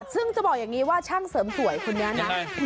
ซึ่งจะบอกอย่างนี้ว่าช่างเสริมสวยคนนี้นะ